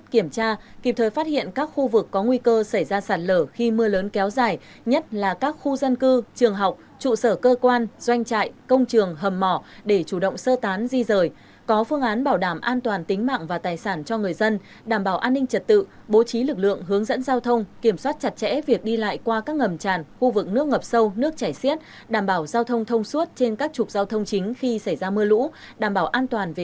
kiểm tra kịp thời phát hiện các khu vực có nguy cơ xảy ra sàn lở khi mưa lớn kéo dài nhất là các khu dân cư trường học trụ sở cơ quan doanh trại công trường hầm mỏ để chủ động sơ tán di rời có phương án bảo đảm an toàn tính mạng và tài sản cho người dân đảm bảo an ninh trật tự bố trí lực lượng hướng dẫn giao thông kiểm soát chặt chẽ việc đi lại qua các ngầm tràn khu vực nước ngập sâu nước chảy xiết đảm bảo giao thông thông suốt trên các trục giao thông chính khi xảy ra mưa lũ đảm bảo